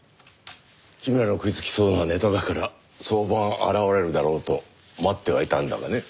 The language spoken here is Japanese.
君らの食いつきそうなネタだから早晩現れるだろうと待ってはいたんだがね。